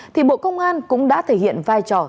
thì bộ công an cũng đã thể hiện vai trò